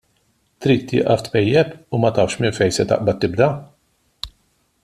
Trid tieqaf tpejjep u ma tafx minn fejn taqbad tibda?